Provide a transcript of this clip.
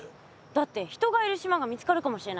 だって人がいる島が見つかるかもしれないし。